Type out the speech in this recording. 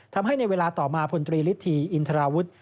ทำให้ในเวลาต่อมาพลตรีฤทธีอินทราวุฒิ